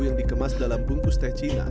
yang dikemas dalam bungkus tech cina